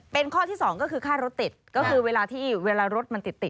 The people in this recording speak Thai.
เป็นข้อที่๒ก็คือค่ารถติดก็คือเวลารถมันติดนะ